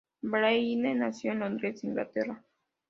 Byrne nació en Londres, Inglaterra.